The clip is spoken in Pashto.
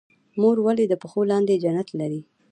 مور ولې د پښو لاندې جنت لري؟